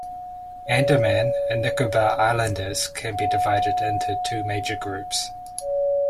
Andaman and Nicobar islanders can be divided into two major groups.